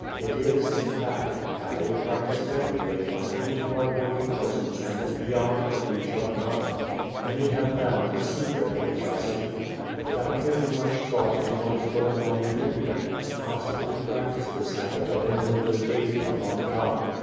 It is, in fact, happily practiced every day by many hard working persons and is beyond the reach of none. Many have found the secret of which I speak and, without giving much thought to what is going on within them, constantly practice this habit of inwardly gazing upon God.